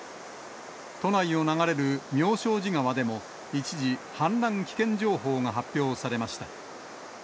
都内を流れる妙正寺川でも、一時、氾濫危険情報が発表されました。